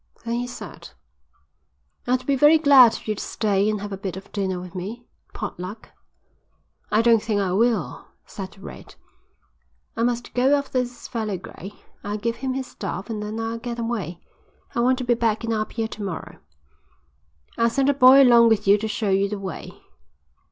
Then he said: "I'd be very glad if you'd stay and have a bit of dinner with me. Pot luck." "I don't think I will," said Red. "I must go after this fellow Gray. I'll give him his stuff and then I'll get away. I want to be back in Apia to morrow." "I'll send a boy along with you to show you the way."